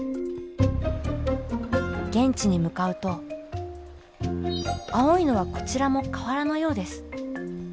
現地に向かうと青いのはこちらも瓦のようです。